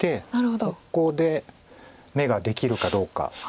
ここで眼ができるかどうか。